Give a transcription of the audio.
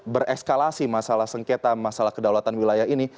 bereskalasi masalah sengketa masalah kedaulatan wilayah ini